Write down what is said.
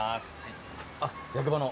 あっ役場の？